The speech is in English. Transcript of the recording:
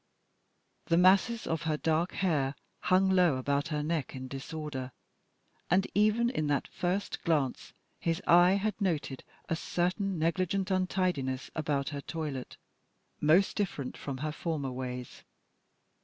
The masses of her dark hairs hung low about her neck in disorder, and even in that first glance his eye had noted a certain negligent untidiness about her toilet most different from her former ways.